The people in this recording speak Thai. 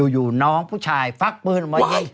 อยู่น้องผู้ชายฟักปืนออกมายิง